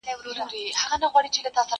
اوس به څوك رايادوي تېري خبري٫